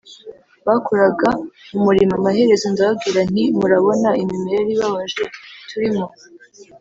bakoraga umurimo Amaherezo ndababwira nti murabona imimerere ibabaje turimo